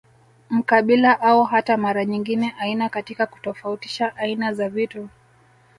Mkabila au hata mara nyingine aina katika kutofautisha aina za vitu